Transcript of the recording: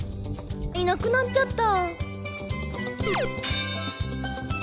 いなくなっちゃった。